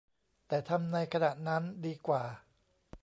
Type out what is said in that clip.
แต่ทำในขณะนั้นดีกว่า